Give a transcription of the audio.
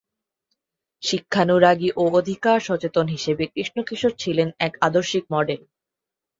শিক্ষানুরাগী ও অধিকার সচেতন হিসেবে কৃষ্ণ কিশোর ছিলেন এক আদর্শিক মডেল।